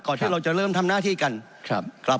ก่อนที่เราจะเริ่มทำนาธิกันครับ